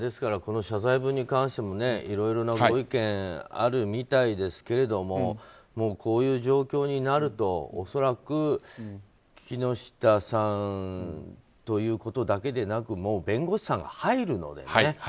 この謝罪文に関してもいろいろなご意見があるみたいですけどもこういう状況になると恐らく木下さんということだけでなく弁護士さんが入るのでね。